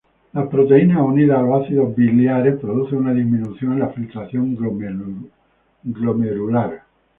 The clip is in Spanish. Las proteínas unidas a los ácidos biliares producen una disminución en la filtración glomerular.